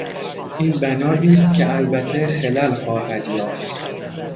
این بنائیست که البته خلل خواهد یافت